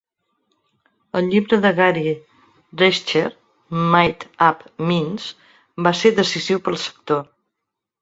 El llibre de Gary Drescher Made-up Minds va ser decisiu per al sector.